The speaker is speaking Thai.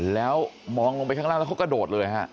แล้วมองลงไปข้างล่างแล้วเขากระโดดเลยฮะ